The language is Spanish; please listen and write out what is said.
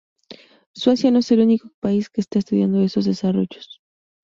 Suecia no es el único país que está estudiando esos desarrollos.